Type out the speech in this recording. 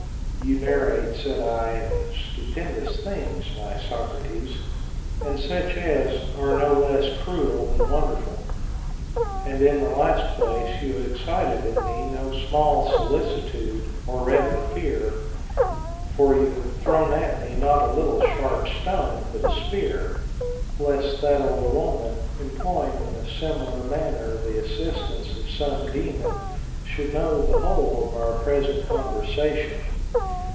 You narrate, said I, stupendous things, my Socrates, and such as are no. less cruel than wonderful. And, in the last place, you have excited in me no small solicitude, or rather fear, (for you have tlirown at me not a little sharp stone, but a spear,) lest that old woman, employing in a similar manner the assistance of some daemon, should know the whole of our present conversation.